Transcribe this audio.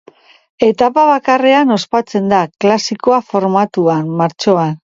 Etapa bakarrean ospatzen da, klasikoa formatuan, martxoan.